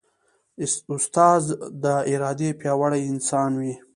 استاد د ارادې پیاوړی انسان وي.